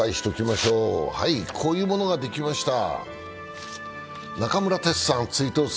こういうものができました。